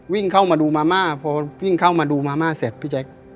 วิ่งเข้ามาดูมาม่าพอวิ่งเข้ามาดูมาม่าเสร็จพี่แจ๊ค